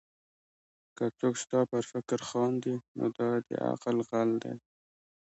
که څوک ستا پر فکر خاندي؛ نو دا د عقل غل دئ.